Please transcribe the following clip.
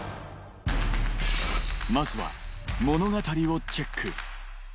まずは物語をチェック